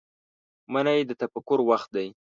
منی د تفکر وخت دی